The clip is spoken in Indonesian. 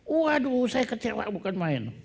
waduh saya kecewa bukan main